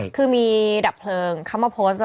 คือมีดับเพลิงเขามาโพสต์ว่า